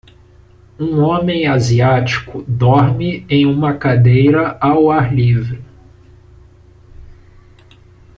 Um homem asiático dorme em uma cadeira ao ar livre.